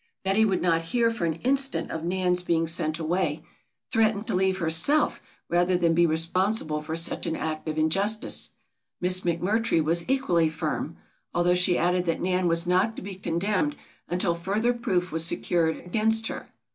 Betty would not hear for an instant of Nan's being sent away, threatened to leave herself rather than be responsible for such an act of injustice. Miss McMurtry was equally firm, although she added that Nan was not to be condemned until further proof was secured against her.